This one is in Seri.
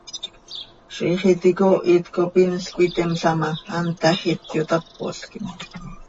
Ziix iti icoohit cop inl cöiteemla ma, hant tahjiit, yotápolquim.